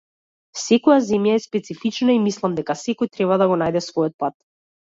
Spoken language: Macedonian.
Секоја земја е специфична и мислам дека секој треба да го најде својот пат.